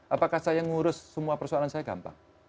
apakah saya ngurus semua persoalan saya gampang